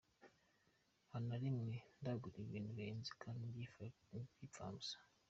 Nta na rimwe ndagura ibintu bihenze kandi by’imfabusa.